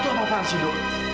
itu apaan apaan sih du